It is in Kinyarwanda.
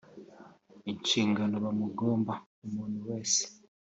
Inshingano bamugomba umuntu wese